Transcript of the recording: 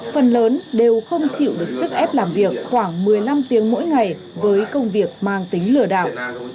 phần lớn đều không chịu được sức ép làm việc khoảng một mươi năm tiếng mỗi ngày với công việc mang tính lừa đảo